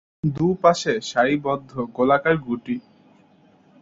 দু পাশে সারিবদ্ধ গোলাকার গুটি।